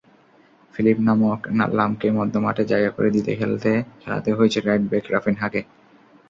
Philip লামকে মধ্যমাঠে জায়গা করে দিতে খেলাতে হয়েছে রাইট ব্যাক রাফিনহাকে।